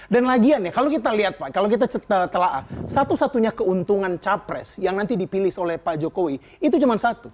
dan lagian ya kalau kita lihat pak kalau kita telah satu satunya keuntungan capres yang nanti dipilih oleh pak jokowi itu cuma satu